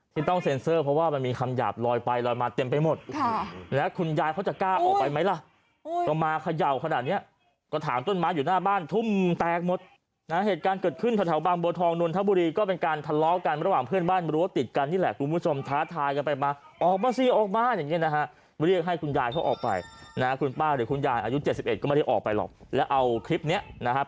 ที่ต้องเซ็นเซอร์เพราะว่ามันมีคำหยาบลอยไปลอยมาเต็มไปหมดค่ะแล้วคุณยายเขาจะกล้าออกไปไหมล่ะก็มาขย่าวขนาดนี้ก็ถามต้นม้าอยู่หน้าบ้านทุ่มแตกหมดนะเหตุการณ์เกิดขึ้นทะเถาบังโบทองนุนทะบุรีก็เป็นการทะเลาะกันระหว่างเพื่อนบ้านรู้ว่าติดกันนี่แหละคุณผู้ชมท้าทายกันไปมาออกมาสิออกบ้านอย่างเงี้ย